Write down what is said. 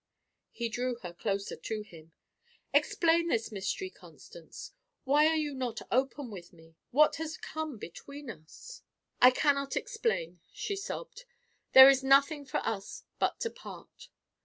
He drew her closer to him. "Explain this mystery, Constance. Why are you not open with me? What has come between us?" "I cannot explain," she sobbed. "There is nothing for us but to part."